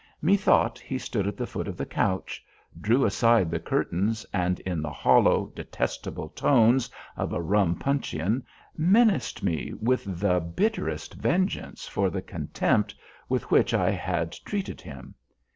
Methought he stood at the foot of the couch, drew aside the curtains, and in the hollow, detestable tones of a rum puncheon, menaced me with the bitterest vengeance for the contempt with which I had treated him.